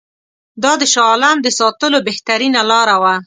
دا د شاه عالم د ساتلو بهترینه لاره وه.